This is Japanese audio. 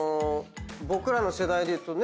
僕らの世代でいうとね